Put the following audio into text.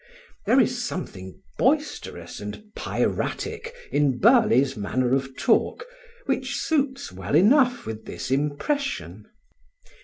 There is something boisterous and piratic in Burly's manner of talk which suits well enough with this impression.